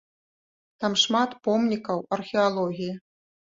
Там шмат помнікаў археалогіі.